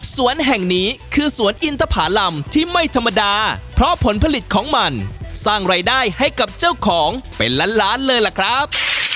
สวนแห่งนี้คือสวนอินทภารำที่ไม่ธรรมดาเพราะผลผลิตของมันสร้างรายได้ให้กับเจ้าของเป็นล้านล้านเลยล่ะครับ